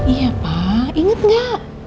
iya pak inget gak